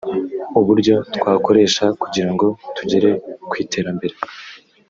uburyo twakoresha kugirango tugere kwi terambere